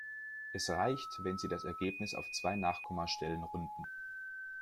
Es reicht, wenn Sie das Ergebnis auf zwei Nachkommastellen runden.